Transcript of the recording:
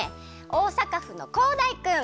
大阪府のこうだいくん。